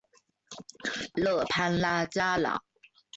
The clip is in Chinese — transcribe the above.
勒潘拉加朗。